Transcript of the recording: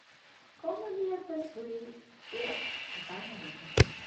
ކޮންމެ މީހަކު ވެސް ހުރީ އެއަސް ގަންނަހިތުން